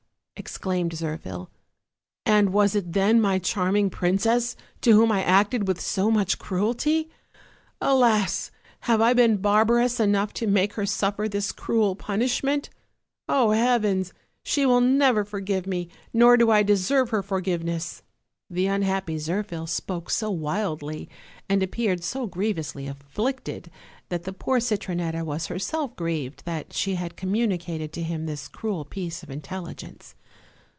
exclaimed Zirphil, "and was it then my charm ing princess to whom I acted with so much cruelty? Alas! have I been barbarous enough to make her suffer this cruel punishment? heavens! she will never for give me, nor do I deserve her forgiveness!" The unhappy Zirphil spoke so wildly, and appeared so griev ously afflicted, that the poor Citronetta was herself grieved that she had communicated to him this cruel piece of intelligence.